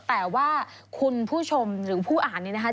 แต่ว่าคุณผู้ชมหรือผู้อ่านนี้นะคะ